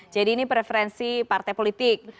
jadi ini preferensi partai politik